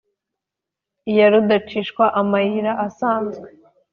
Iya rudacishwa amayira asanzwe